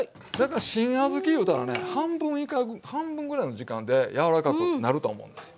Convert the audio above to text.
新小豆いうたらね半分ぐらいの時間で柔らかくなると思うんですよ。